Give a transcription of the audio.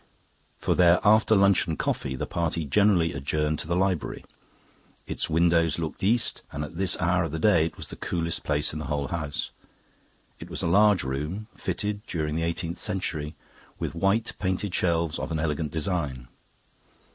For their after luncheon coffee the party generally adjourned to the library. Its windows looked east, and at this hour of the day it was the coolest place in the whole house. It was a large room, fitted, during the eighteenth century, with white painted shelves of an elegant design.